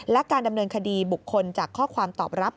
และการดำเนินคดีบุคคลจากข้อความตอบรับ